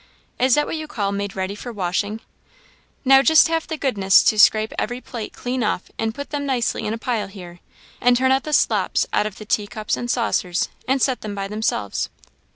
Is that what you call made ready for washing? Now just have the goodness to scrape every plate clean off and put them nicely in a pile here; and turn out the slops out of the tea cups and saucers, and set them by themselves.